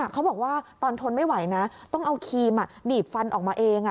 เขาบอกว่าตอนทนไม่ไหวนะต้องเอาครีมหนีบฟันออกมาเอง